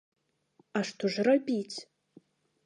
А што ж рабіць?